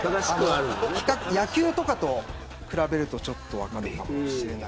野球とかと比べると分かるかもしれない。